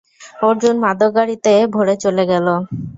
অর্জুন মাদক গাড়িতে ভরে চেলে গেল।